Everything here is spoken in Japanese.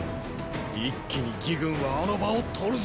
一気に魏軍はあの場を取るぞ。